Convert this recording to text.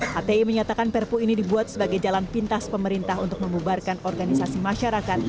hti menyatakan perpu ini dibuat sebagai jalan pintas pemerintah untuk memubarkan organisasi masyarakat